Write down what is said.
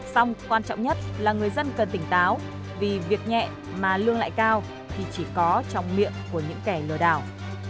xong quan trọng nhất là người dân cần tỉnh táo vì việc nhẹ mà lương lại cao thì chỉ có trong miệng của những kẻ lừa đảo